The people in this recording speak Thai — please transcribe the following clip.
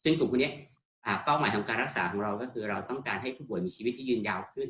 ซึ่งกลุ่มพวกนี้เป้าหมายทำการรักษาของเราก็คือเราต้องการให้ผู้ป่วยมีชีวิตที่ยืนยาวขึ้น